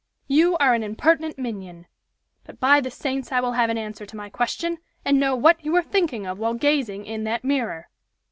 "You are an impertinent minion. But, by the saints, I will have an answer to my question, and know what you were thinking of while gazing in that mirror."